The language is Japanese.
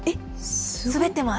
滑ってます。